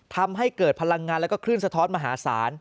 ทำให้เกิดพลังงานแล้วก็คลื่นสะท้อนมหาศาล